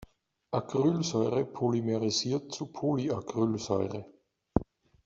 Acrylsäure polymerisiert zu Polyacrylsäure.